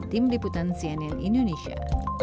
tim liputan cnn indonesia